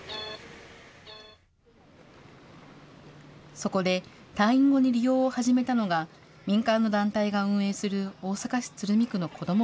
そこで、退院後に利用を始めたのが、民間の団体が運営する大阪市鶴見区のこども